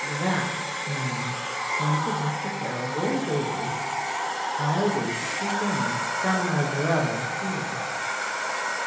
"That, ma'am," answered Mr. Caryll very gravely, "I wait to learn from my brother here."